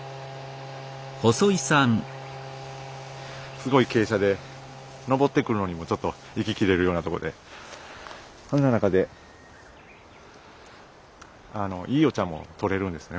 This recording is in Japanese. すごい傾斜で登ってくるのにもちょっと息切れるようなところでそんな中でいいお茶もとれるんですね